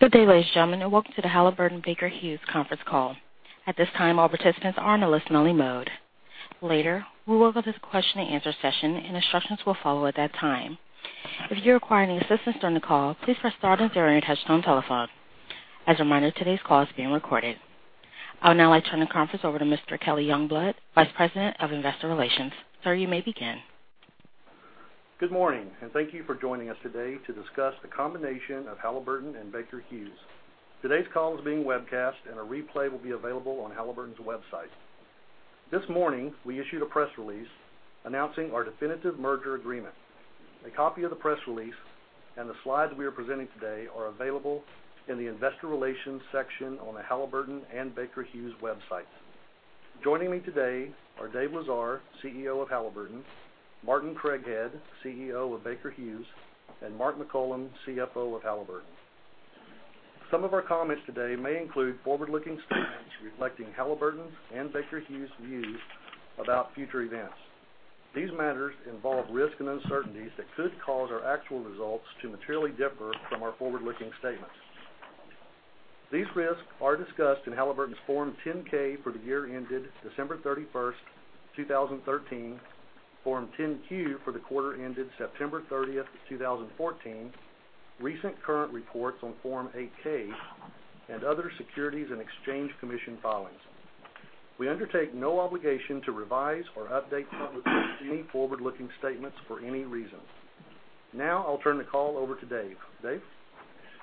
Good day, ladies and gentlemen, and welcome to the Halliburton Baker Hughes conference call. At this time, all participants are in a listen-only mode. Later, we will go to the question and answer session, and instructions will follow at that time. If you require any assistance during the call, please press star zero on your touch-tone telephone. As a reminder, today's call is being recorded. I would now like to turn the conference over to Mr. Kelly Youngblood, Vice President of Investor Relations. Sir, you may begin. Good morning. Thank you for joining us today to discuss the combination of Halliburton and Baker Hughes. Today's call is being webcast, and a replay will be available on Halliburton's website. This morning, we issued a press release announcing our definitive merger agreement. A copy of the press release and the slides we are presenting today are available in the investor relations section on the Halliburton and Baker Hughes websites. Joining me today are Dave Lesar, CEO of Halliburton, Martin Craighead, CEO of Baker Hughes, and Mark McCollum, CFO of Halliburton. Some of our comments today may include forward-looking statements reflecting Halliburton's and Baker Hughes' views about future events. These matters involve risks and uncertainties that could cause our actual results to materially differ from our forward-looking statements. These risks are discussed in Halliburton's Form 10-K for the year ended December 31st, 2013, Form 10-Q for the quarter ended September 30th, 2014, recent current reports on Form 8-K, and other Securities and Exchange Commission filings. We undertake no obligation to revise or update publicly any forward-looking statements for any reason. I'll turn the call over to Dave. Dave?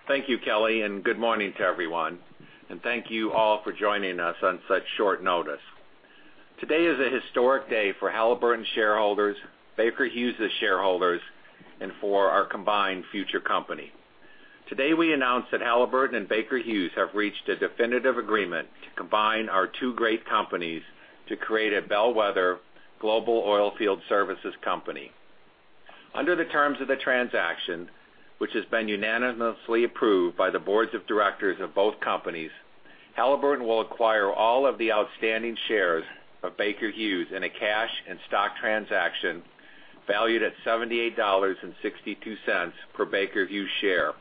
Thank you, Kelly. Good morning to everyone. Thank you all for joining us on such short notice. Today is a historic day for Halliburton shareholders, Baker Hughes' shareholders, and for our combined future company. Today we announce that Halliburton and Baker Hughes have reached a definitive agreement to combine our two great companies to create a bellwether global oil field services company. Under the terms of the transaction, which has been unanimously approved by the boards of directors of both companies, Halliburton will acquire all of the outstanding shares of Baker Hughes in a cash and stock transaction valued at $78.62 per Baker Hughes share,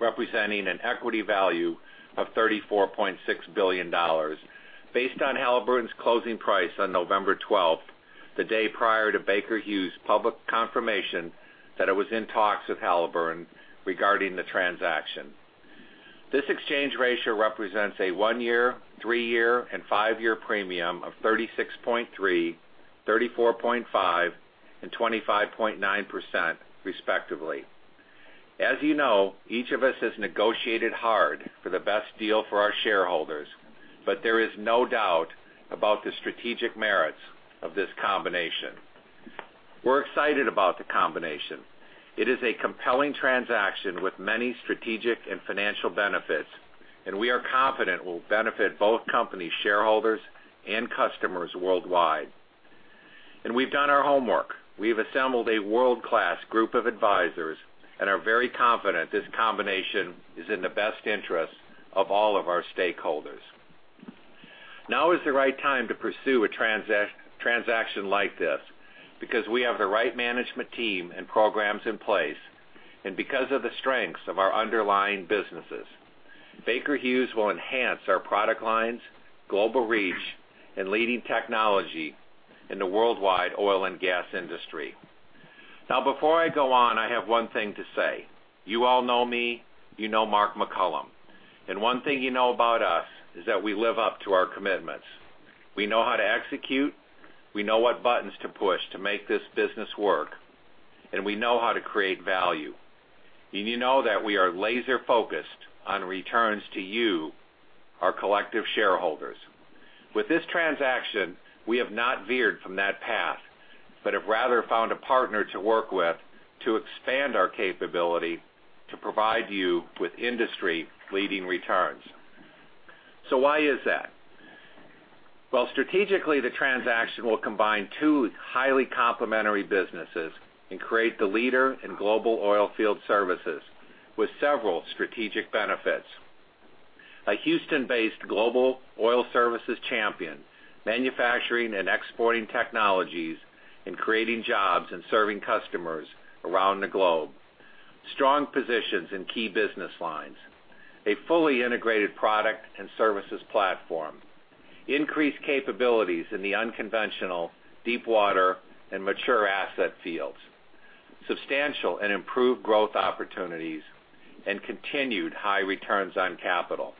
representing an equity value of $34.6 billion. Based on Halliburton's closing price on November 12th, the day prior to Baker Hughes' public confirmation that it was in talks with Halliburton regarding the transaction. This exchange ratio represents a one-year, three-year, and five-year premium of 36.3%, 34.5%, and 25.9%, respectively. As you know, each of us has negotiated hard for the best deal for our shareholders, there is no doubt about the strategic merits of this combination. We're excited about the combination. It is a compelling transaction with many strategic and financial benefits, we are confident it will benefit both companies' shareholders and customers worldwide. We've done our homework. We've assembled a world-class group of advisors and are very confident this combination is in the best interest of all of our stakeholders. Now is the right time to pursue a transaction like this, because we have the right management team and programs in place, and because of the strengths of our underlying businesses. Baker Hughes will enhance our product lines, global reach, and leading technology in the worldwide oil and gas industry. Now, before I go on, I have one thing to say. You all know me, you know Mark McCollum, and one thing you know about us is that we live up to our commitments. We know how to execute, we know what buttons to push to make this business work, and we know how to create value. You know that we are laser-focused on returns to you, our collective shareholders. With this transaction, we have not veered from that path, but have rather found a partner to work with to expand our capability to provide you with industry-leading returns. Why is that? Well, strategically, the transaction will combine two highly complementary businesses and create the leader in global oil field services with several strategic benefits. A Houston-based global oil services champion, manufacturing and exporting technologies and creating jobs and serving customers around the globe. Strong positions in key business lines. A fully integrated product and services platform. Increased capabilities in the unconventional deepwater and mature asset fields. Substantial and improved growth opportunities, and continued high returns on capital.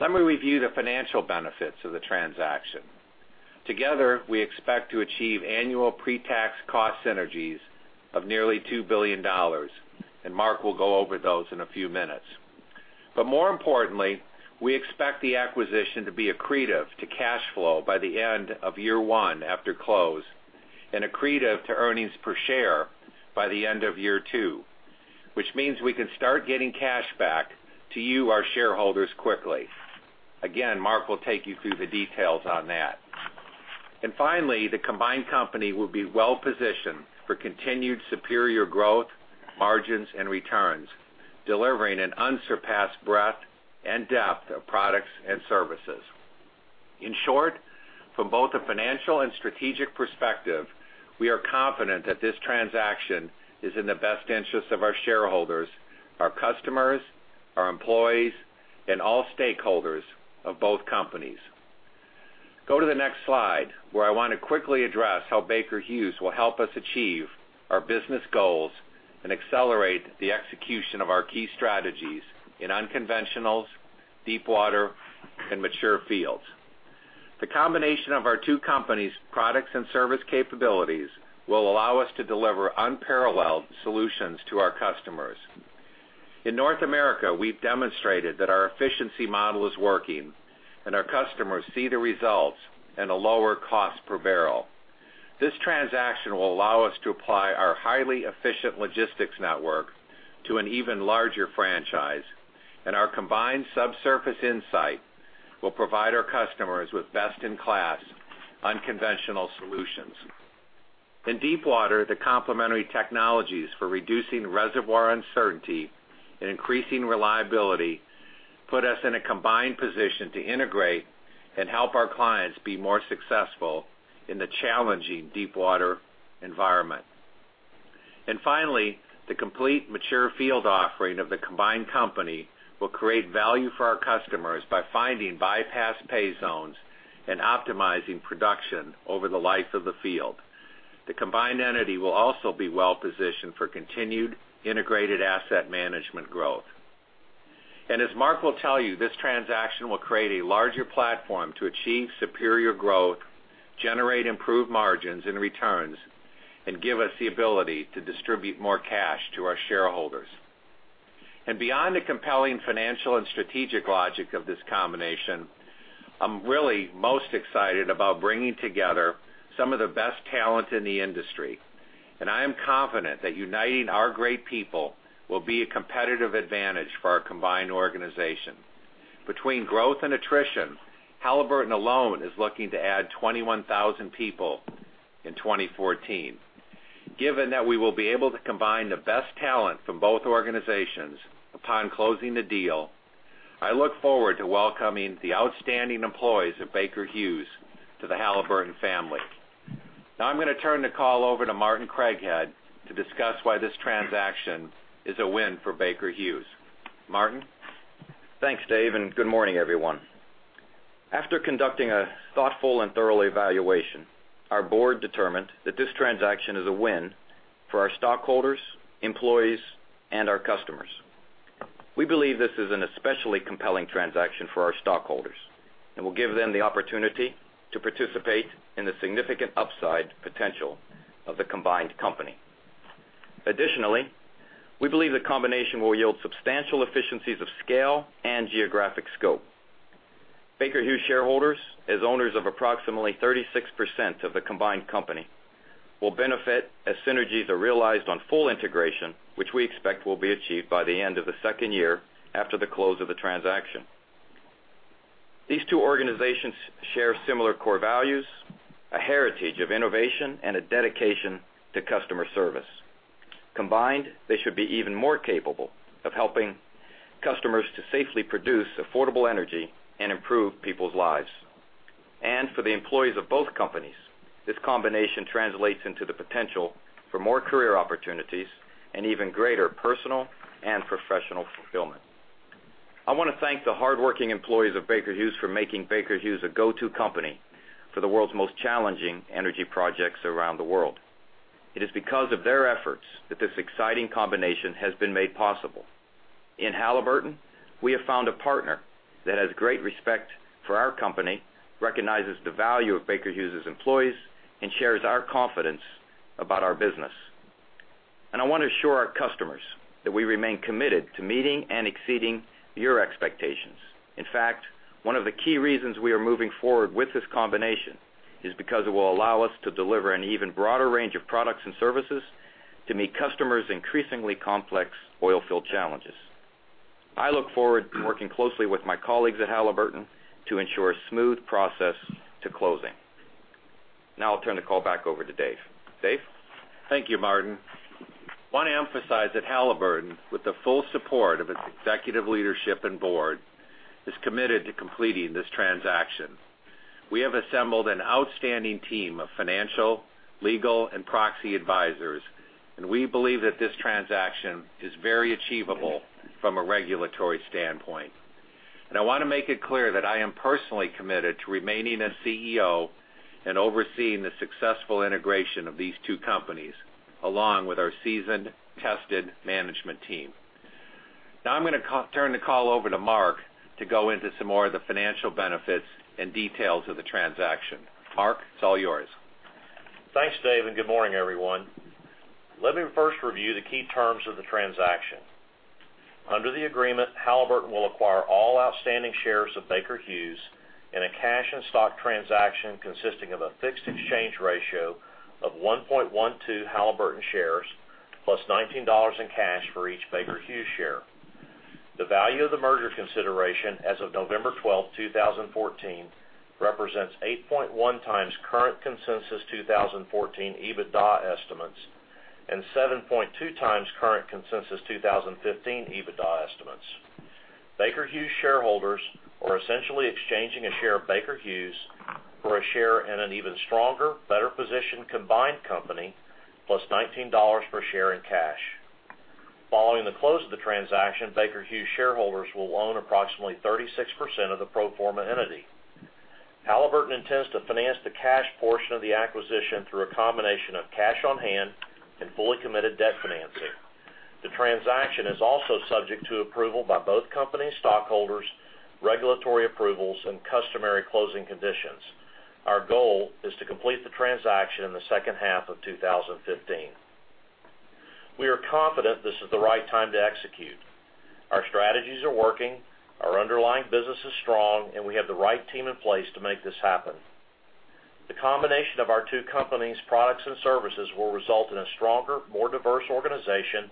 Let me review the financial benefits of the transaction. Together, we expect to achieve annual pre-tax cost synergies of nearly $2 billion, and Mark will go over those in a few minutes. More importantly, we expect the acquisition to be accretive to cash flow by the end of year one after close and accretive to earnings per share by the end of year two, which means we can start getting cash back to you, our shareholders, quickly. Again, Mark will take you through the details on that. Finally, the combined company will be well-positioned for continued superior growth, margins, and returns, delivering an unsurpassed breadth and depth of products and services. In short, from both a financial and strategic perspective, we are confident that this transaction is in the best interest of our shareholders, our customers, our employees, and all stakeholders of both companies. Go to the next slide, where I want to quickly address how Baker Hughes will help us achieve our business goals and accelerate the execution of our key strategies in unconventionals, deepwater, and mature fields. The combination of our two companies' products and service capabilities will allow us to deliver unparalleled solutions to our customers. In North America, we've demonstrated that our efficiency model is working and our customers see the results in a lower cost per barrel. This transaction will allow us to apply our highly efficient logistics network to an even larger franchise, our combined subsurface insight will provide our customers with best-in-class unconventional solutions. In deepwater, the complementary technologies for reducing reservoir uncertainty and increasing reliability put us in a combined position to integrate and help our clients be more successful in the challenging deepwater environment. Finally, the complete mature field offering of the combined company will create value for our customers by finding bypass pay zones and optimizing production over the life of the field. The combined entity will also be well-positioned for continued integrated asset management growth. As Mark will tell you, this transaction will create a larger platform to achieve superior growth, generate improved margins and returns, and give us the ability to distribute more cash to our shareholders. Beyond the compelling financial and strategic logic of this combination, I'm really most excited about bringing together some of the best talent in the industry, and I am confident that uniting our great people will be a competitive advantage for our combined organization. Between growth and attrition, Halliburton alone is looking to add 21,000 people in 2014. Given that we will be able to combine the best talent from both organizations upon closing the deal, I look forward to welcoming the outstanding employees of Baker Hughes to the Halliburton family. Now I'm going to turn the call over to Martin Craighead to discuss why this transaction is a win for Baker Hughes. Martin? Thanks, Dave, and good morning, everyone. After conducting a thoughtful and thorough evaluation, our board determined that this transaction is a win for our stockholders, employees, and our customers. We believe this is an especially compelling transaction for our stockholders and will give them the opportunity to participate in the significant upside potential of the combined company. Additionally, we believe the combination will yield substantial efficiencies of scale and geographic scope. Baker Hughes shareholders, as owners of approximately 36% of the combined company, will benefit as synergies are realized on full integration, which we expect will be achieved by the end of the second year after the close of the transaction. These two organizations share similar core values, a heritage of innovation, and a dedication to customer service. Combined, they should be even more capable of helping customers to safely produce affordable energy and improve people's lives. For the employees of both companies, this combination translates into the potential for more career opportunities and even greater personal and professional fulfillment. I want to thank the hardworking employees of Baker Hughes for making Baker Hughes a go-to company for the world's most challenging energy projects around the world. It is because of their efforts that this exciting combination has been made possible. In Halliburton, we have found a partner that has great respect for our company, recognizes the value of Baker Hughes' employees, and shares our confidence about our business. I want to assure our customers that we remain committed to meeting and exceeding your expectations. In fact, one of the key reasons we are moving forward with this combination is because it will allow us to deliver an even broader range of products and services to meet customers' increasingly complex oil field challenges. I look forward to working closely with my colleagues at Halliburton to ensure a smooth process to closing. Now I'll turn the call back over to Dave. Dave? Thank you, Martin. I want to emphasize that Halliburton, with the full support of its executive leadership and board, is committed to completing this transaction. We have assembled an outstanding team of financial, legal, and proxy advisors, and we believe that this transaction is very achievable from a regulatory standpoint. I want to make it clear that I am personally committed to remaining as CEO and overseeing the successful integration of these two companies, along with our seasoned, tested management team. Now I'm going to turn the call over to Mark to go into some more of the financial benefits and details of the transaction. Mark, it's all yours. Thanks, Dave, and good morning, everyone. Let me first review the key terms of the transaction. Under the agreement, Halliburton will acquire all outstanding shares of Baker Hughes in a cash and stock transaction consisting of a fixed exchange ratio of 1.12 Halliburton shares plus $19 in cash for each Baker Hughes share. The value of the merger consideration as of November 12th, 2014, represents 8.1 times current consensus 2014 EBITDA estimates and 7.2 times current consensus 2015 EBITDA estimates. Baker Hughes shareholders are essentially exchanging a share of Baker Hughes for a share in an even stronger, better positioned combined company, plus $19 per share in cash. Following the close of the transaction, Baker Hughes shareholders will own approximately 36% of the pro forma entity. Halliburton intends to finance the cash portion of the acquisition through a combination of cash on hand and fully committed debt financing. The transaction is also subject to approval by both companies' stockholders, regulatory approvals, and customary closing conditions. Our goal is to complete the transaction in the second half of 2015. We are confident this is the right time to execute. Our strategies are working, our underlying business is strong, and we have the right team in place to make this happen. The combination of our two companies' products and services will result in a stronger, more diverse organization,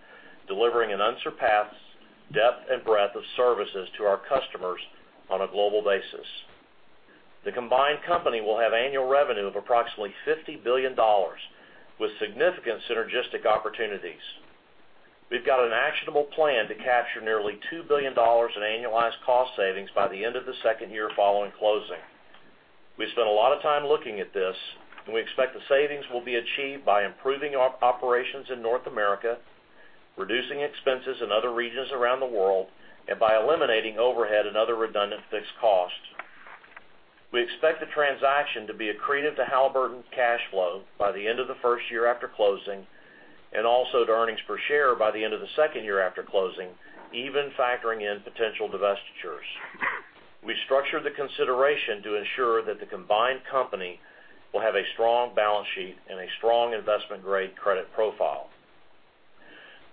delivering an unsurpassed depth and breadth of services to our customers on a global basis. The combined company will have annual revenue of approximately $50 billion, with significant synergistic opportunities. We've got an actionable plan to capture nearly $2 billion in annualized cost savings by the end of the second year following closing. We spent a lot of time looking at this. We expect the savings will be achieved by improving operations in North America, reducing expenses in other regions around the world, and by eliminating overhead and other redundant fixed costs. We expect the transaction to be accretive to Halliburton's cash flow by the end of the first year after closing, also to earnings per share by the end of the second year after closing, even factoring in potential divestitures. We structured the consideration to ensure that the combined company will have a strong balance sheet and a strong investment-grade credit profile.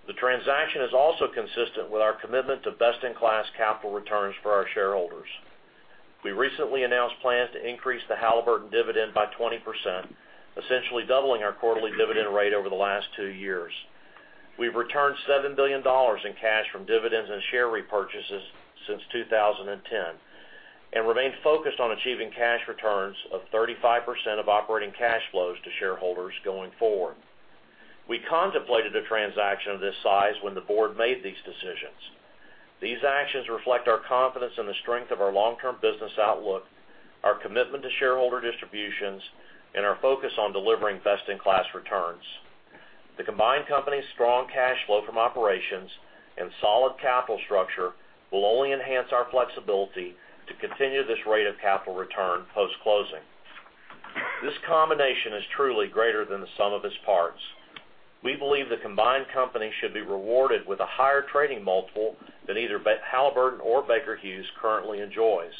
The transaction is also consistent with our commitment to best-in-class capital returns for our shareholders. We recently announced plans to increase the Halliburton dividend by 20%, essentially doubling our quarterly dividend rate over the last two years. We've returned $7 billion in cash from dividends and share repurchases since 2010 and remain focused on achieving cash returns of 35% of operating cash flows to shareholders going forward. We contemplated a transaction of this size when the board made these decisions. These actions reflect our confidence in the strength of our long-term business outlook, our commitment to shareholder distributions, and our focus on delivering best-in-class returns. The combined company's strong cash flow from operations and solid capital structure will only enhance our flexibility to continue this rate of capital return post-closing. This combination is truly greater than the sum of its parts. We believe the combined company should be rewarded with a higher trading multiple than either Halliburton or Baker Hughes currently enjoys,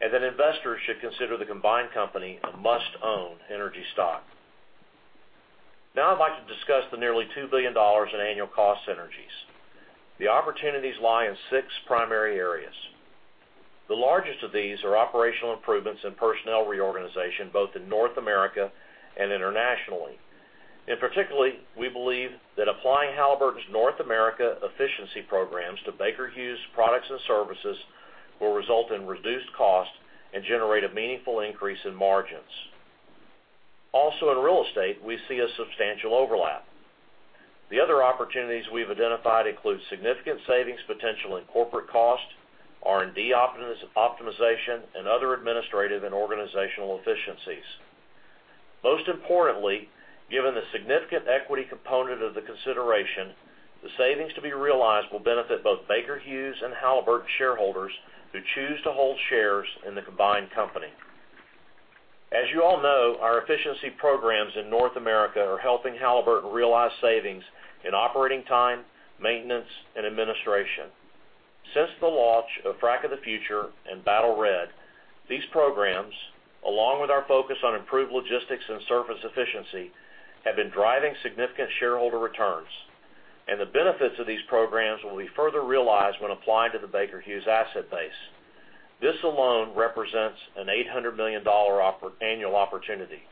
investors should consider the combined company a must-own energy stock. Now I'd like to discuss the nearly $2 billion in annual cost synergies. The opportunities lie in six primary areas. The largest of these are operational improvements and personnel reorganization, both in North America and internationally. In particular, we believe that applying Halliburton's North America efficiency programs to Baker Hughes products and services will result in reduced costs and generate a meaningful increase in margins. In real estate, we see a substantial overlap. The other opportunities we've identified include significant savings potential in corporate cost, R&D optimization, and other administrative and organizational efficiencies. Most importantly, given the significant equity component of the consideration, the savings to be realized will benefit both Baker Hughes and Halliburton shareholders who choose to hold shares in the combined company. As you all know, our efficiency programs in North America are helping Halliburton realize savings in operating time, maintenance, and administration. Since the launch of Frac of the Future and Battle Red, these programs, along with our focus on improved logistics and surface efficiency, have been driving significant shareholder returns. The benefits of these programs will be further realized when applied to the Baker Hughes asset base. This alone represents an $800 million annual opportunity.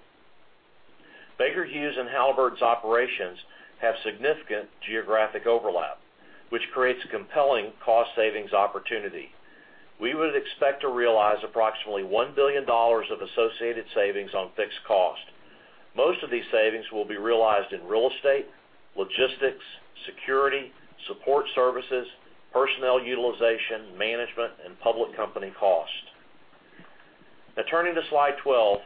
Baker Hughes and Halliburton's operations have significant geographic overlap, which creates a compelling cost savings opportunity. We would expect to realize approximately $1 billion of associated savings on fixed cost. Most of these savings will be realized in real estate, logistics, security, support services, personnel utilization, management, and public company cost. Now turning to slide 12.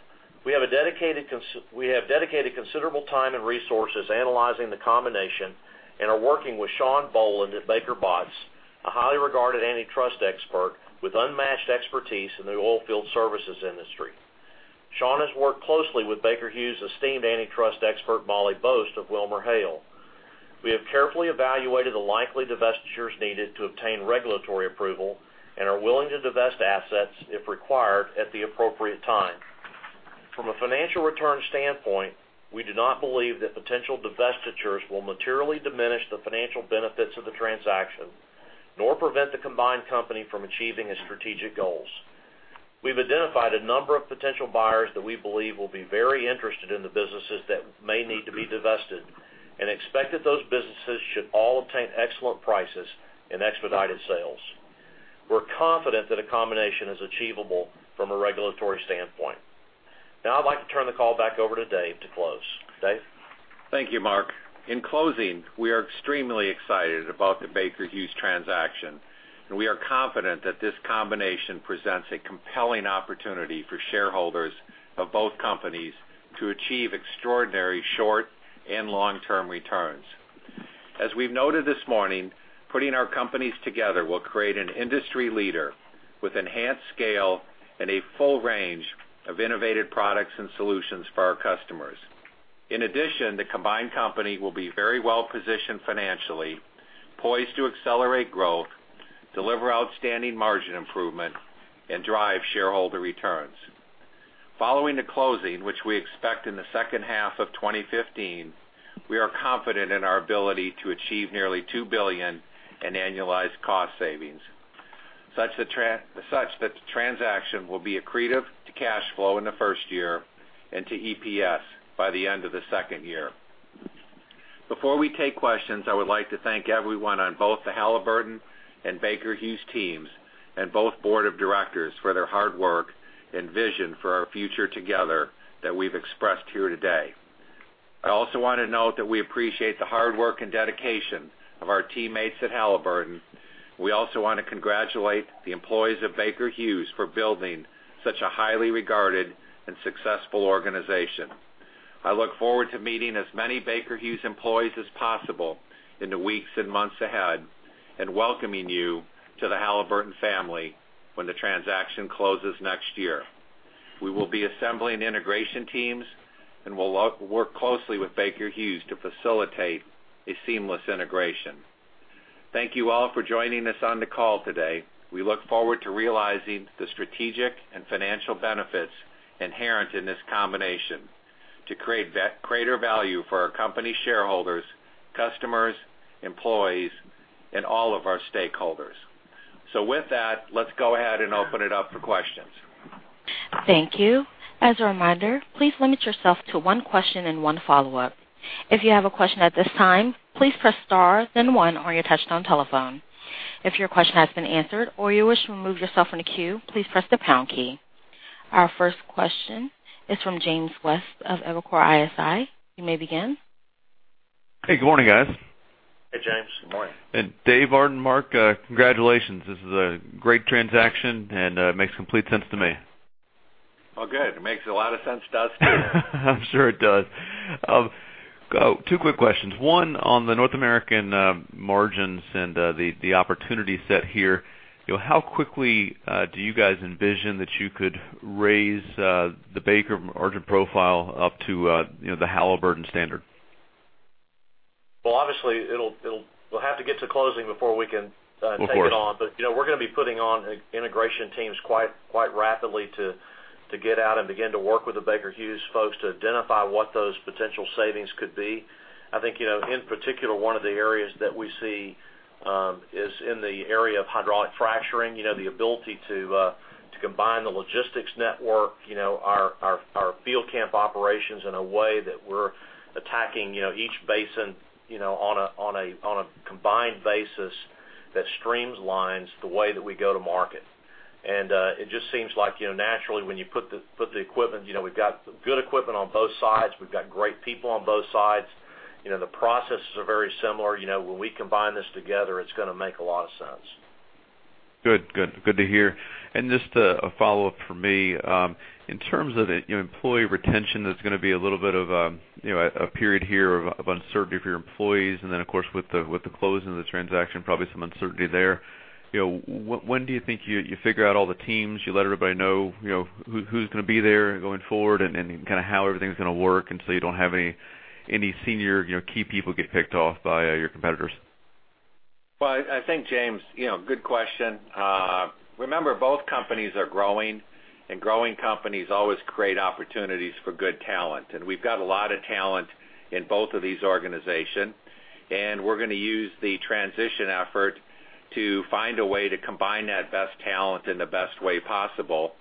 We have dedicated considerable time and resources analyzing the combination. We are working with Sean Boland at Baker Botts L.L.P., a highly regarded antitrust expert with unmatched expertise in the oilfield services industry. Sean has worked closely with Baker Hughes' esteemed antitrust expert, Molly Boast of WilmerHale. We have carefully evaluated the likely divestitures needed to obtain regulatory approval and are willing to divest assets if required at the appropriate time. From a financial return standpoint, we do not believe that potential divestitures will materially diminish the financial benefits of the transaction, nor prevent the combined company from achieving its strategic goals. We've identified a number of potential buyers that we believe will be very interested in the businesses that may need to be divested and expect that those businesses should all obtain excellent prices and expedited sales. We're confident that a combination is achievable from a regulatory standpoint. I'd like to turn the call back over to Dave to close. Dave? Thank you, Mark. In closing, we are extremely excited about the Baker Hughes transaction, we are confident that this combination presents a compelling opportunity for shareholders of both companies to achieve extraordinary short and long-term returns. As we've noted this morning, putting our companies together will create an industry leader with enhanced scale and a full range of innovative products and solutions for our customers. In addition, the combined company will be very well-positioned financially, poised to accelerate growth, deliver outstanding margin improvement, and drive shareholder returns. Following the closing, which we expect in the second half of 2015, we are confident in our ability to achieve nearly $2 billion in annualized cost savings. Such that the transaction will be accretive to cash flow in the first year and to EPS by the end of the second year. Before we take questions, I would like to thank everyone on both the Halliburton and Baker Hughes teams both board of directors for their hard work and vision for our future together that we've expressed here today. I also want to note that we appreciate the hard work and dedication of our teammates at Halliburton. We also want to congratulate the employees of Baker Hughes for building such a highly regarded and successful organization. I look forward to meeting as many Baker Hughes employees as possible in the weeks and months ahead and welcoming you to the Halliburton family when the transaction closes next year. We will be assembling integration teams, we'll work closely with Baker Hughes to facilitate a seamless integration. Thank you all for joining us on the call today. We look forward to realizing the strategic and financial benefits inherent in this combination to create greater value for our company shareholders, customers, employees, and all of our stakeholders. With that, let's go ahead and open it up for questions. Thank you. As a reminder, please limit yourself to one question and one follow-up. If you have a question at this time, please press star then one on your touchtone telephone. If your question has been answered or you wish to remove yourself from the queue, please press the pound key. Our first question is from James West of Evercore ISI. You may begin. Hey, good morning, guys. Hey, James. Good morning. Dave, Martin, and Mark, congratulations. This is a great transaction, and it makes complete sense to me. Oh, good. It makes a lot of sense to us, too. I'm sure it does. Two quick questions. One, on the North American margins and the opportunity set here, how quickly do you guys envision that you could raise the Baker margin profile up to the Halliburton standard? Well, obviously, we'll have to get to closing before we can take it on. Of course. We're going to be putting on integration teams quite rapidly to get out and begin to work with the Baker Hughes folks to identify what those potential savings could be. I think, in particular, one of the areas that we see is in the area of hydraulic fracturing, the ability to combine the logistics network, our field camp operations in a way that we're attacking each basin on a combined basis that streamlines the way that we go to market. It just seems like naturally, when you put the equipment, we've got good equipment on both sides. We've got great people on both sides. The processes are very similar. When we combine this together, it's going to make a lot of sense. Good. Good to hear. Just a follow-up from me. In terms of employee retention, there's going to be a little bit of a period here of uncertainty for your employees, and then, of course, with the closing of the transaction, probably some uncertainty there. When do you think you figure out all the teams, you let everybody know who's going to be there going forward, and kind of how everything's going to work until you don't have any senior key people get picked off by your competitors? Well, I think, James, good question. Remember, both companies are growing companies always create opportunities for good talent, we've got a lot of talent in both of these organizations, we're going to use the transition effort to find a way to combine that best talent in the best way possible.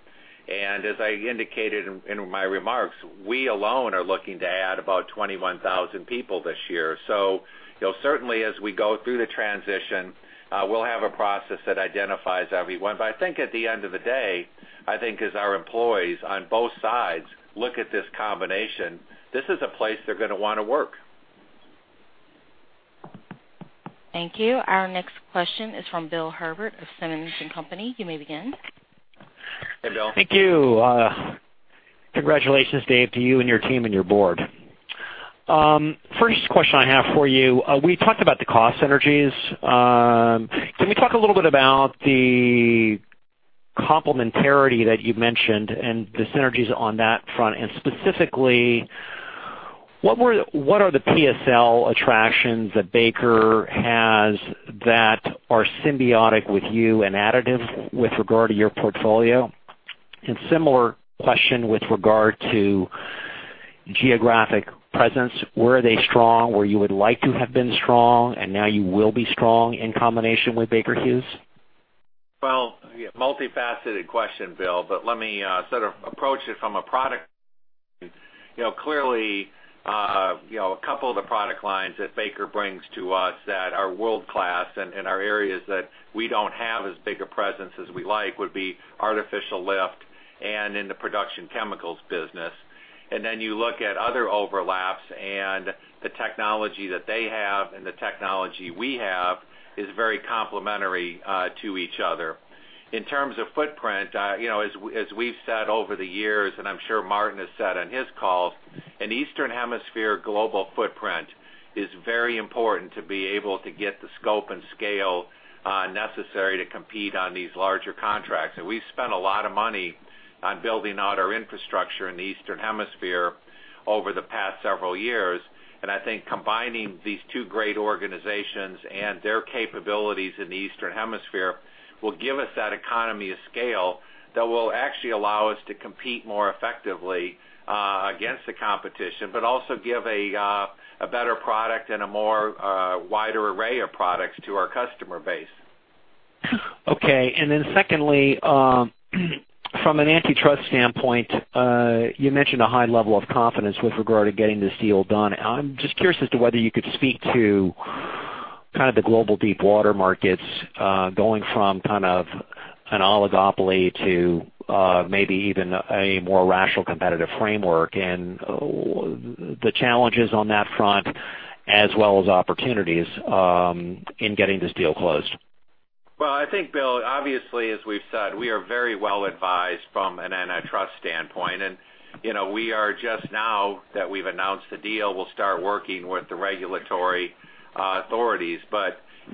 As I indicated in my remarks, we alone are looking to add about 21,000 people this year. Certainly as we go through the transition, we'll have a process that identifies everyone. I think at the end of the day, I think as our employees on both sides look at this combination, this is a place they're going to want to work. Thank you. Our next question is from Bill Herbert of Simmons & Company. You may begin. Hey, Bill. Thank you. Congratulations, Dave, to you and your team and your board. First question I have for you, we talked about the cost synergies. Can we talk a little bit about the complementarity that you mentioned and the synergies on that front? Specifically, what are the PSL attractions that Baker has that are symbiotic with you and additive with regard to your portfolio? Similar question with regard to geographic presence. Were they strong where you would like to have been strong and now you will be strong in combination with Baker Hughes? Well, multifaceted question, Bill, but let me sort of approach it from a product. Clearly, a couple of the product lines that Baker brings to us that are world-class and are areas that we don't have as big a presence as we like would be artificial lift and in the production chemicals business. Then you look at other overlaps and the technology that they have and the technology we have is very complementary to each other. In terms of footprint, as we've said over the years, and I'm sure Martin has said on his calls, an Eastern Hemisphere global footprint is very important to be able to get the scope and scale necessary to compete on these larger contracts. We've spent a lot of money on building out our infrastructure in the Eastern Hemisphere over the past several years. I think combining these two great organizations and their capabilities in the Eastern Hemisphere will give us that economy of scale that will actually allow us to compete more effectively against the competition, but also give a better product and a more wider array of products to our customer base. Okay. Then secondly, from an antitrust standpoint, you mentioned a high level of confidence with regard to getting this deal done. I'm just curious as to whether you could speak to kind of the global deep water markets going from kind of an oligopoly to maybe even a more rational competitive framework and the challenges on that front as well as opportunities in getting this deal closed. Well, I think, Bill, obviously, as we've said, we are very well advised from an antitrust standpoint. We are just now that we've announced the deal, we'll start working with the regulatory authorities.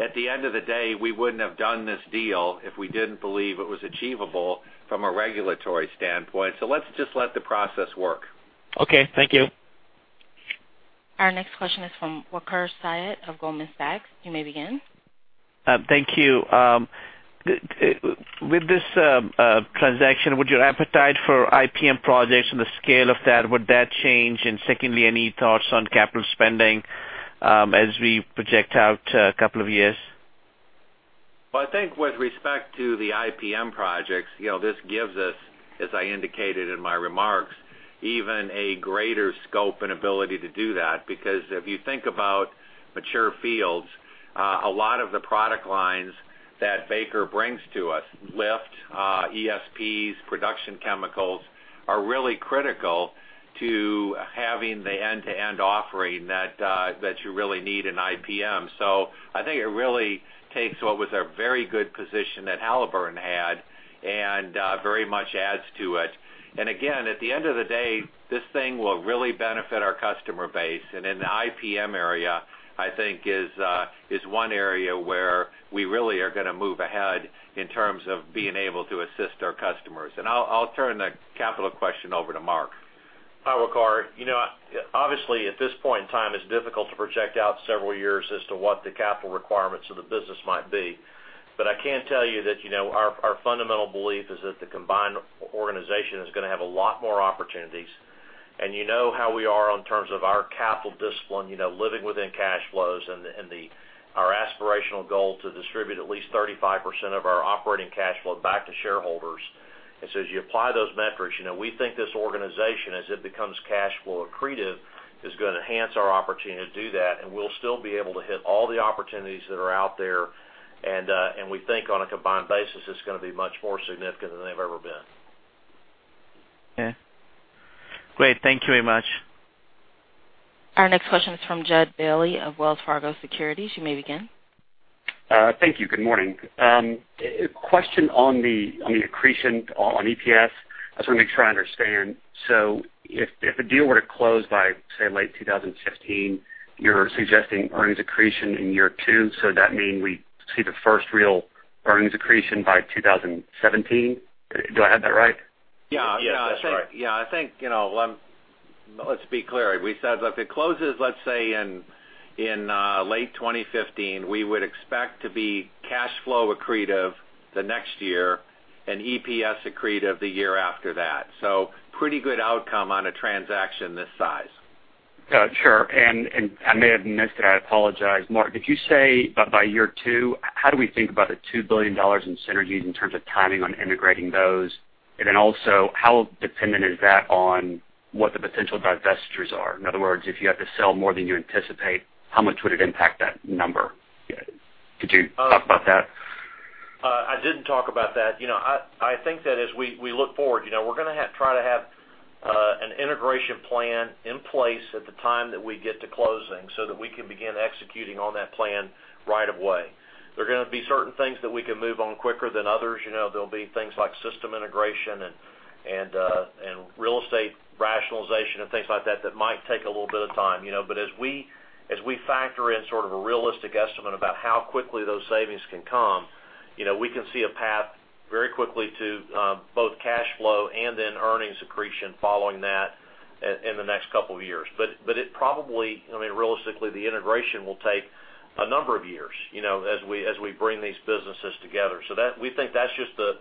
At the end of the day, we wouldn't have done this deal if we didn't believe it was achievable from a regulatory standpoint. Let's just let the process work. Okay. Thank you. Our next question is from Waqar Syed of Goldman Sachs. You may begin. Thank you. With this transaction, would your appetite for IPM projects and the scale of that, would that change? Secondly, any thoughts on capital spending as we project out a couple of years? Well, I think with respect to the IPM projects, this gives us, as I indicated in my remarks, even a greater scope and ability to do that, because if you think about mature fields, a lot of the product lines that Baker brings to us, lift, ESPs, production chemicals, are really critical to having the end-to-end offering that you really need in IPM. I think it really takes what was a very good position that Halliburton had and very much adds to it. Again, at the end of the day, this thing will really benefit our customer base. In the IPM area, I think is one area where we really are going to move ahead in terms of being able to assist our customers. I'll turn the capital question over to Mark. Hi, Waqar. Obviously, at this point in time, it's difficult to project out several years as to what the capital requirements of the business might be. I can tell you that our fundamental belief is that the combined organization is going to have a lot more opportunities. You know how we are in terms of our capital discipline, living within cash flows and our aspirational goal to distribute at least 35% of our operating cash flow back to shareholders. As you apply those metrics, we think this organization, as it becomes cash flow accretive, is going to enhance our opportunity to do that, and we'll still be able to hit all the opportunities that are out there. We think on a combined basis, it's going to be much more significant than they've ever been. Okay. Great. Thank you very much. Our next question is from Judd Bailey of Wells Fargo Securities. You may begin. Thank you. Good morning. Question on the accretion on EPS. I just want to make sure I understand. If a deal were to close by, say, late 2015, you're suggesting earnings accretion in year two, does that mean we see the first real earnings accretion by 2017? Do I have that right? Yeah. Yes, that's right. Yeah, I think, let's be clear. We said if it closes, let's say in late 2015, we would expect to be cash flow accretive the next year and EPS accretive the year after that. Pretty good outcome on a transaction this size. Sure. I may have missed it. I apologize. Mark, did you say by year two, how do we think about the $2 billion in synergies in terms of timing on integrating those? How dependent is that on what the potential divestitures are? In other words, if you have to sell more than you anticipate, how much would it impact that number? Could you talk about that? I didn't talk about that. I think that as we look forward, we are going to try to have an integration plan in place at the time that we get to closing so that we can begin executing on that plan right away. There are going to be certain things that we can move on quicker than others. There will be things like system integration and real estate rationalization and things like that that might take a little bit of time. As we factor in sort of a realistic estimate about how quickly those savings can come, we can see a path very quickly to both cash flow and then earnings accretion following that in the next couple of years. Realistically, the integration will take a number of years as we bring these businesses together. We think that is just the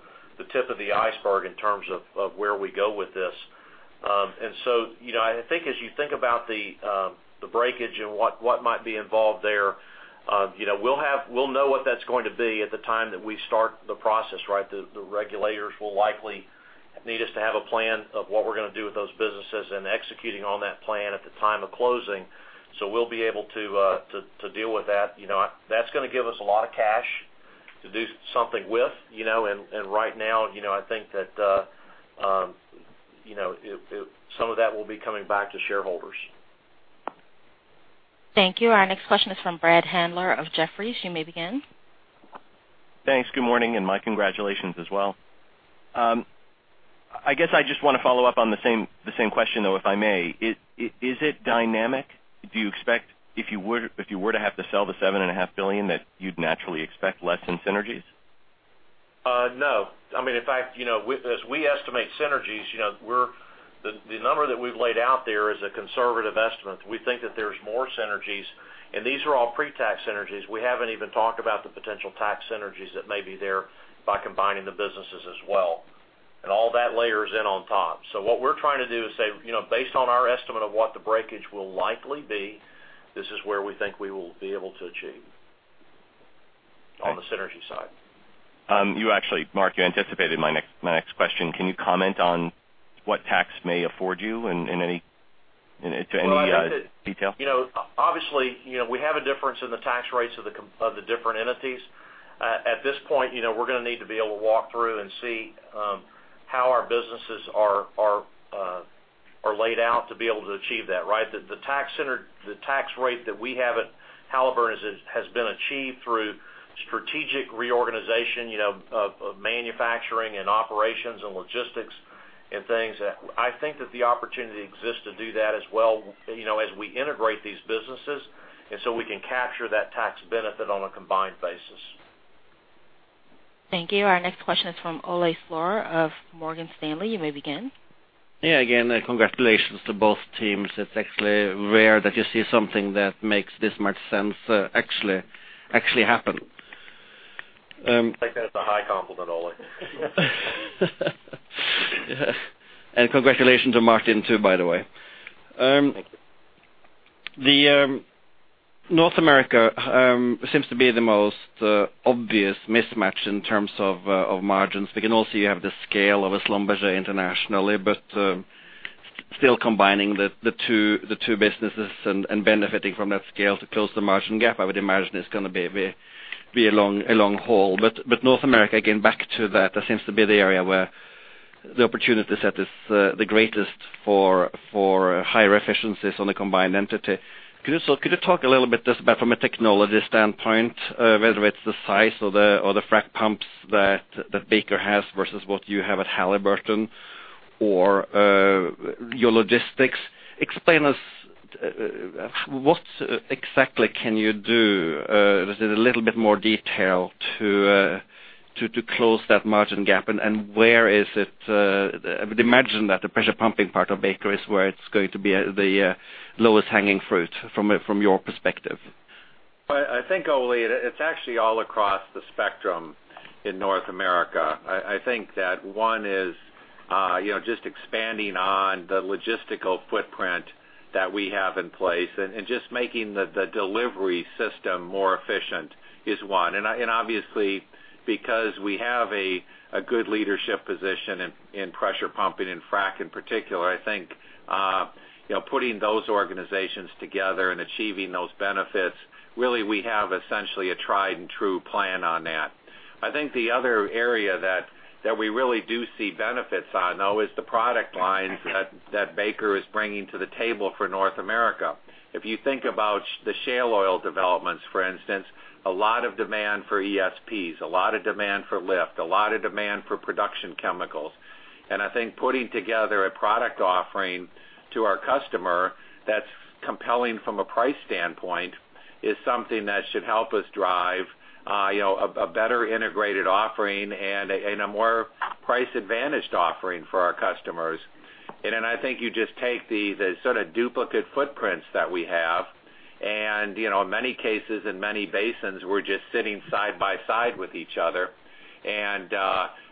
tip of the iceberg in terms of where we go with this. I think as you think about the breakage and what might be involved there, we will know what that is going to be at the time that we start the process. The regulators will likely need us to have a plan of what we are going to do with those businesses and executing on that plan at the time of closing. We will be able to deal with that. That is going to give us a lot of cash to do something with. Right now, I think that some of that will be coming back to shareholders. Thank you. Our next question is from Brad Handler of Jefferies. You may begin. Thanks. Good morning, and my congratulations as well. I guess I just want to follow up on the same question, though, if I may. Is it dynamic? Do you expect if you were to have to sell the $7.5 billion, that you'd naturally expect less in synergies? No. I mean, in fact as we estimate synergies, the number that we've laid out there is a conservative estimate. We think that there's more synergies, and these are all pre-tax synergies. We haven't even talked about the potential tax synergies that may be there by combining the businesses as well. All that layers in on top. What we're trying to do is say, based on our estimate of what the breakage will likely be, this is where we think we will be able to achieve on the synergy side. Mark, you anticipated my next question. Can you comment on what tax may afford you to any detail? Obviously, we have a difference in the tax rates of the different entities. At this point, we're going to need to be able to walk through and see how our businesses are laid out to be able to achieve that, right? The tax rate that we have at Halliburton has been achieved through strategic reorganization of manufacturing and operations and logistics and things. I think that the opportunity exists to do that as well as we integrate these businesses, we can capture that tax benefit on a combined basis. Thank you. Our next question is from Ole Slorer of Morgan Stanley. You may begin. Yeah. Again, congratulations to both teams. It's actually rare that you see something that makes this much sense actually happen. I take that as a high compliment, Ole. Congratulations to Martin too, by the way. Thank you. North America seems to be the most obvious mismatch in terms of margins. We can all see you have the scale of a Schlumberger internationally, still combining the two businesses and benefiting from that scale to close the margin gap, I would imagine it's going to be a long haul. North America, again, back to that seems to be the area where the opportunity set is the greatest for higher efficiencies on the combined entity. Could you talk a little bit just about from a technology standpoint, whether it's the size or the frac pumps that Baker has versus what you have at Halliburton or your logistics. Explain us what exactly can you do with a little bit more detail to close that margin gap and where I would imagine that the pressure pumping part of Baker is where it's going to be the lowest hanging fruit from your perspective. I think, Ole, it's actually all across the spectrum in North America. I think that one is just expanding on the logistical footprint that we have in place and just making the delivery system more efficient is one. Obviously, because we have a good leadership position in pressure pumping and frac in particular, I think putting those organizations together and achieving those benefits, really, we have essentially a tried and true plan on that. I think the other area that we really do see benefits on, though, is the product lines that Baker is bringing to the table for North America. If you think about the shale oil developments, for instance, a lot of demand for ESPs, a lot of demand for lift, a lot of demand for production chemicals. I think putting together a product offering to our customer that's compelling from a price standpoint is something that should help us drive a better integrated offering and a more price-advantaged offering for our customers. I think you just take the sort of duplicate footprints that we have, and in many cases, in many basins, we're just sitting side by side with each other and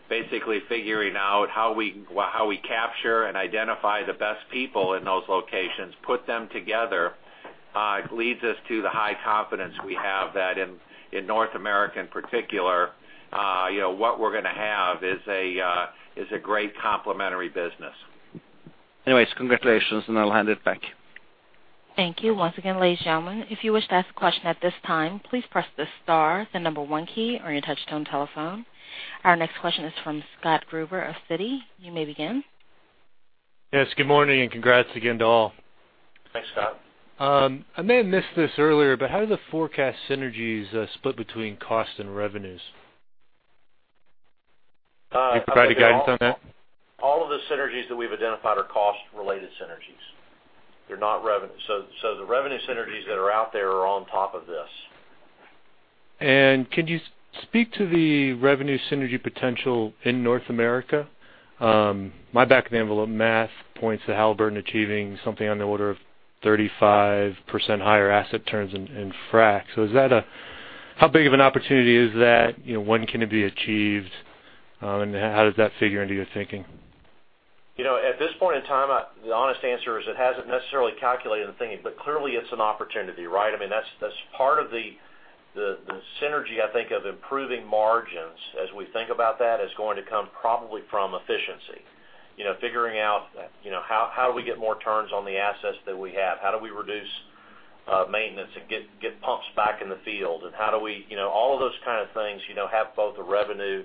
basically figuring out how we capture and identify the best people in those locations, put them together, leads us to the high confidence we have that in North America, in particular, what we're going to have is a great complementary business. Anyways, congratulations, and I'll hand it back. Thank you. Once again, ladies and gentlemen, if you wish to ask a question at this time, please press the star, the number 1 key on your touchtone telephone. Our next question is from Scott Gruber of Citi. You may begin. Yes. Good morning, and congrats again to all. Thanks, Scott. I may have missed this earlier, how do the forecast synergies split between cost and revenues? Can you provide any guidance on that? All of the synergies that we've identified are cost related synergies. They're not revenue. The revenue synergies that are out there are on top of this. Could you speak to the revenue synergy potential in North America? My back of the envelope math points to Halliburton achieving something on the order of 35% higher asset turns in frac. How big of an opportunity is that? When can it be achieved? How does that figure into your thinking? At this point in time, the honest answer is it hasn't necessarily calculated the thing. Clearly it's an opportunity, right? That's part of the synergy, I think, of improving margins as we think about that is going to come probably from efficiency. Figuring out how do we get more turns on the assets that we have? How do we reduce maintenance and get pumps back in the field? All of those kind of things have both a revenue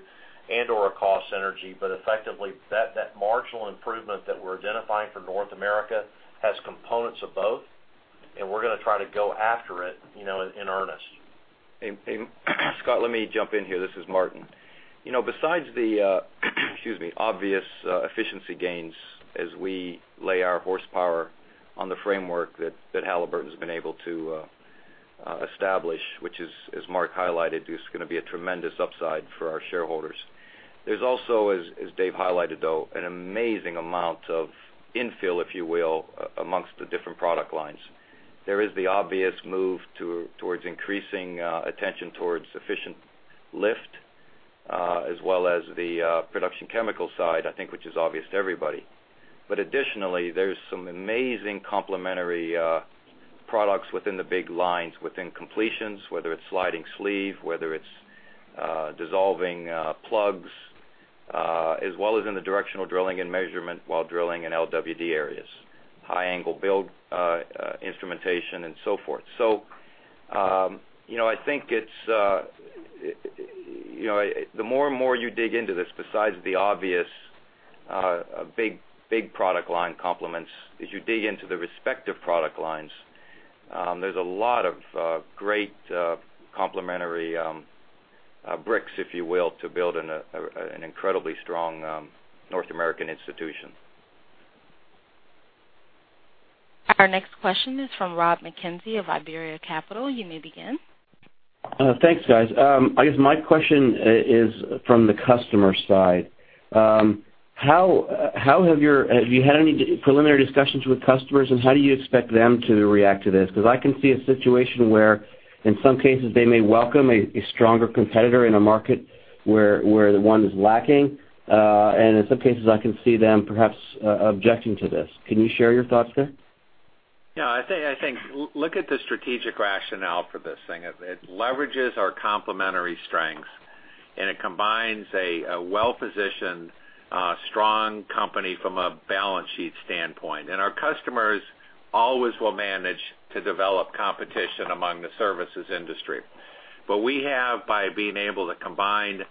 and/or a cost synergy. Effectively, that marginal improvement that we're identifying for North America has components of both, and we're going to try to go after it in earnest. Scott, let me jump in here. This is Martin. Besides the obvious efficiency gains as we lay our horsepower on the framework that Halliburton's been able to establish, which is, as Mark highlighted, is going to be a tremendous upside for our shareholders. There's also, as Dave highlighted, though, an amazing amount of infill, if you will, amongst the different product lines. There is the obvious move towards increasing attention towards artificial lift, as well as the production chemical side, I think, which is obvious to everybody. Additionally, there's some amazing complementary products within the big lines, within completions, whether it's sliding sleeve, whether it's dissolving plugs, as well as in the directional drilling and measurement while drilling in LWD areas, high angle build instrumentation and so forth. I think the more and more you dig into this, besides the obvious big product line complements, as you dig into the respective product lines, there's a lot of great complementary bricks, if you will, to build an incredibly strong North American institution. Our next question is from Rob Mackenzie of Iberia Capital. You may begin. Thanks, guys. I guess my question is from the customer side. Have you had any preliminary discussions with customers, and how do you expect them to react to this? I can see a situation where, in some cases, they may welcome a stronger competitor in a market where the one is lacking. In some cases, I can see them perhaps objecting to this. Can you share your thoughts there? I think, look at the strategic rationale for this thing. It leverages our complementary strengths, and it combines a well-positioned, strong company from a balance sheet standpoint. Our customers always will manage to develop competition among the services industry. What we have, by being able to combine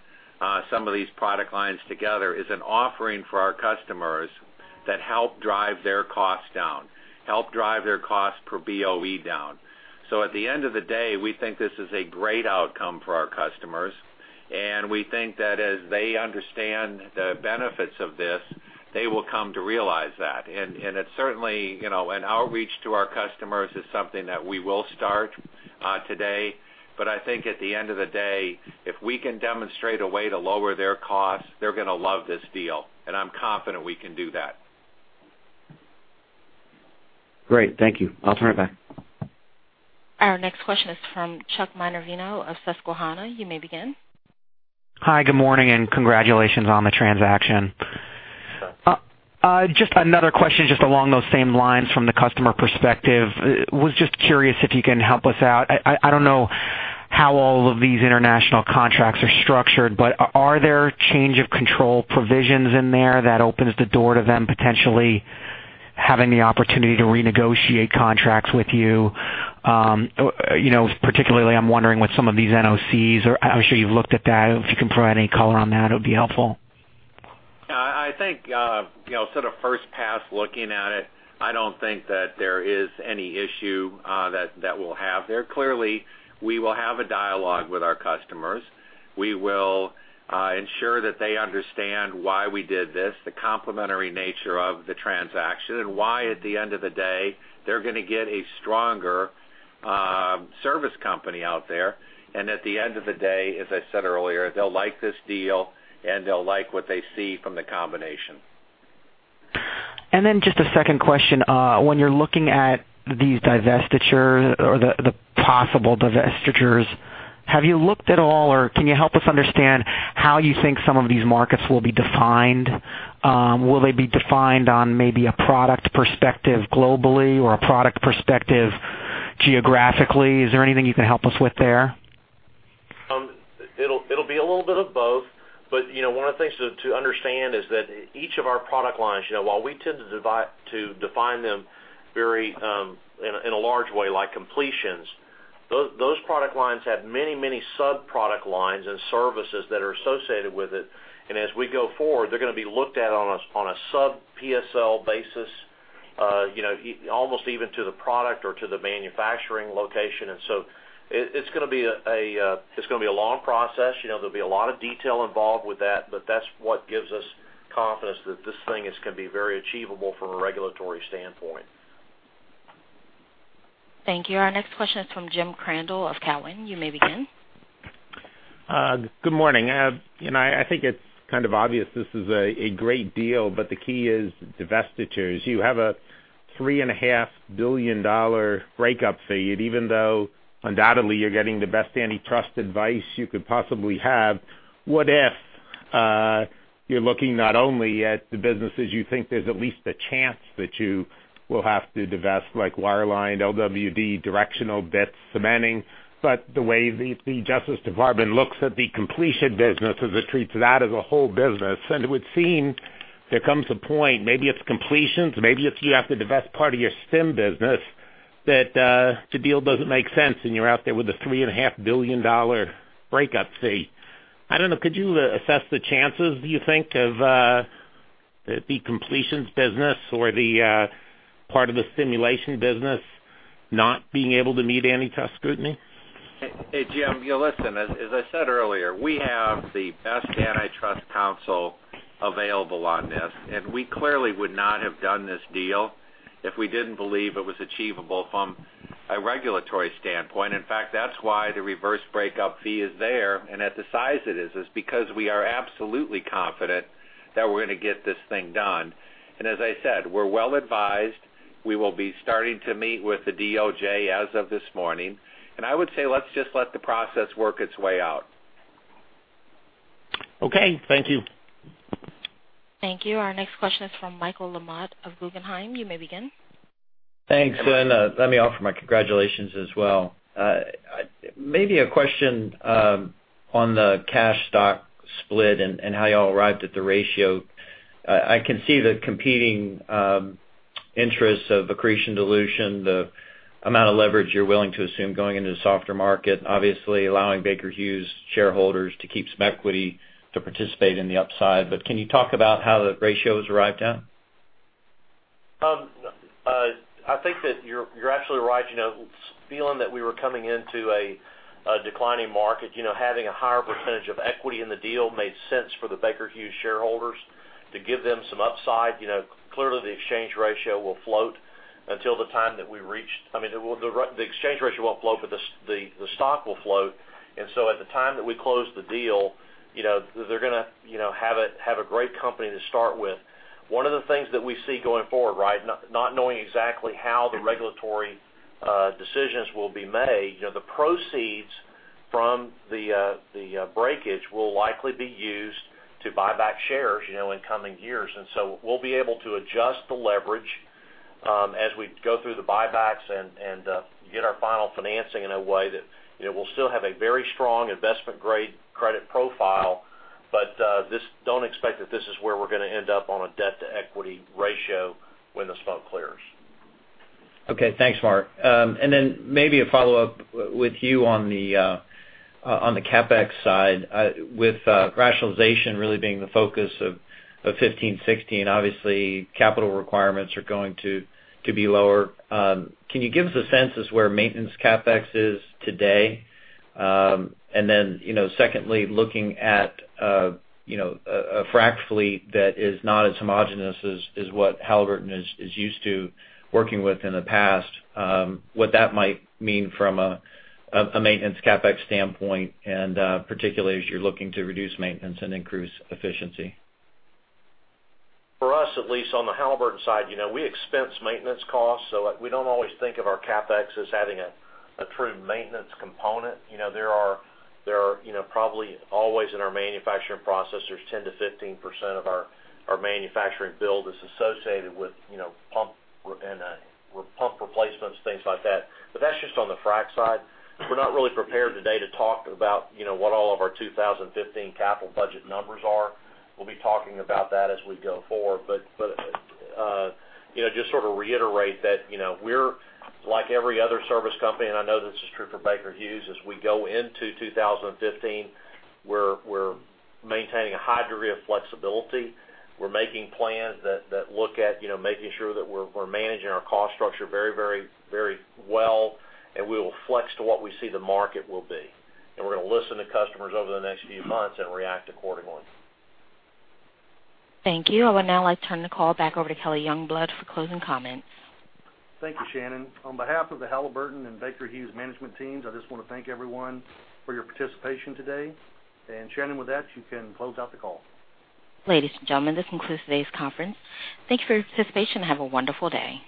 some of these product lines together, is an offering for our customers that help drive their costs down, help drive their cost per BOE down. At the end of the day, we think this is a great outcome for our customers, and we think that as they understand the benefits of this, they will come to realize that. Our reach to our customers is something that we will start today. I think at the end of the day, if we can demonstrate a way to lower their costs, they're going to love this deal, and I'm confident we can do that. Great. Thank you. I'll turn it back. Our next question is from Chuck Minervino of Susquehanna. You may begin. Hi, good morning, and congratulations on the transaction. Just another question just along those same lines from the customer perspective. I was just curious if you can help us out. I don't know how all of these international contracts are structured, but are there change of control provisions in there that opens the door to them potentially having the opportunity to renegotiate contracts with you? Particularly, I'm wondering with some of these NOCs, I'm sure you've looked at that. If you can provide any color on that, it would be helpful. I think, sort of first pass looking at it, I don't think that there is any issue that we'll have there. Clearly, we will have a dialogue with our customers. We will ensure that they understand why we did this, the complementary nature of the transaction, and why at the end of the day, they're going to get a stronger service company out there. At the end of the day, as I said earlier, they'll like this deal and they'll like what they see from the combination. Then just a second question. When you're looking at these divestitures or the possible divestitures, have you looked at all, or can you help us understand how you think some of these markets will be defined? Will they be defined on maybe a product perspective globally or a product perspective geographically? Is there anything you can help us with there? It'll be a little bit of both, but one of the things to understand is that each of our product lines, while we tend to define them in a large way, like completions, those product lines have many sub-product lines and services that are associated with it. As we go forward, they're going to be looked at on a sub PSL basis almost even to the product or to the manufacturing location. It's going to be a long process. There'll be a lot of detail involved with that, but that's what gives us confidence that this thing is going to be very achievable from a regulatory standpoint. Thank you. Our next question is from Jim Crandell of Cowen. You may begin. Good morning. I think it's kind of obvious this is a great deal, but the key is divestitures. You have a $3.5 billion breakup fee, even though undoubtedly you're getting the best antitrust advice you could possibly have, what if you're looking not only at the businesses you think there's at least a chance that you will have to divest, like wireline, LWD, directional bits, cementing, but the way the Justice Department looks at the completion business is it treats that as a whole business. It would seem there comes a point, maybe it's completions, maybe it's you have to divest part of your stim business, that the deal doesn't make sense, and you're out there with a $3.5 billion breakup fee. I don't know. Could you assess the chances, do you think, of the completions business or the part of the stimulation business not being able to meet antitrust scrutiny? Hey, Jim. Listen, as I said earlier, we have the best antitrust counsel available on this. We clearly would not have done this deal if we didn't believe it was achievable from a regulatory standpoint. In fact, that's why the reverse breakup fee is there and at the size it is because we are absolutely confident that we're going to get this thing done. As I said, we're well-advised. We will be starting to meet with the DOJ as of this morning. I would say let's just let the process work its way out. Okay. Thank you. Thank you. Our next question is from Michael LaMotte of Guggenheim. You may begin. Thanks, Glenn. Let me offer my congratulations as well. Maybe a question on the cash stock split and how you all arrived at the ratio. I can see the competing interests of accretion dilution, the amount of leverage you're willing to assume going into the softer market, obviously allowing Baker Hughes shareholders to keep some equity to participate in the upside. Can you talk about how the ratio is arrived at? I think that you're absolutely right. Feeling that we were coming into a declining market, having a higher percentage of equity in the deal made sense for the Baker Hughes shareholders to give them some upside. Clearly, the exchange ratio will float until the time that the exchange ratio won't float, but the stock will float. At the time that we close the deal, they're going to have a great company to start with. One of the things that we see going forward, not knowing exactly how the regulatory decisions will be made, the proceeds from the breakage will likely be used to buy back shares in coming years. We'll be able to adjust the leverage as we go through the buybacks and get our final financing in a way that we'll still have a very strong investment grade credit profile. Don't expect that this is where we're going to end up on a debt-to-equity ratio when the smoke clears. Okay. Thanks, Mark. Maybe a follow-up with you on the CapEx side. With rationalization really being the focus of 2015, 2016, obviously, capital requirements are going to be lower. Can you give us a sense as where maintenance CapEx is today? Secondly, looking at a frac fleet that is not as homogenous as what Halliburton is used to working with in the past, what that might mean from a maintenance CapEx standpoint, and particularly as you're looking to reduce maintenance and increase efficiency. For us, at least on the Halliburton side, we expense maintenance costs, so we don't always think of our CapEx as having a true maintenance component. There are probably always in our manufacturing process, there's 10% to 15% of our manufacturing build is associated with pump replacements, things like that. That's just on the frac side. We're not really prepared today to talk about what all of our 2015 capital budget numbers are. We'll be talking about that as we go forward. Just sort of reiterate that we're like every other service company, and I know this is true for Baker Hughes, as we go into 2015, we're maintaining a high degree of flexibility. We're making plans that look at making sure that we're managing our cost structure very well, and we will flex to what we see the market will be. We're going to listen to customers over the next few months and react accordingly. Thank you. I would now like to turn the call back over to Kelly Youngblood for closing comments. Thank you, Shannon. On behalf of the Halliburton and Baker Hughes management teams, I just want to thank everyone for your participation today. Shannon, with that, you can close out the call. Ladies and gentlemen, this concludes today's conference. Thank you for your participation and have a wonderful day.